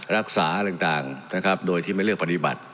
รักษาอะไรต่างนะครับโดยที่ไม่เลือกปฏิบัติ